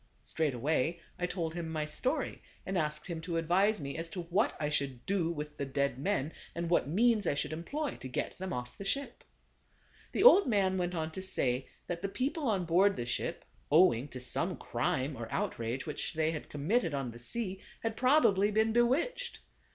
Straightway I told him my story, and asked him to advise me as to what I should do with the dead men and what means I should employ to get them off the ship. The old man went on to say that the people on board the ship, owing to some crime or out rage which they had committed on the sea, had probably been bewitched.